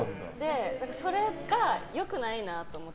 それが良くないなと思って。